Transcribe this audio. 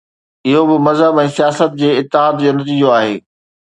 اهو به مذهب ۽ سياست جي اتحاد جو نتيجو آهي.